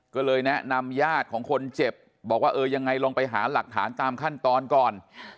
ก็เลยแนะนำญาติของคนเจ็บบอกว่าเออยังไงลองไปหาหลักฐานตามขั้นตอนก่อน